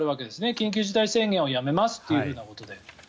緊急事態宣言をやめますということで。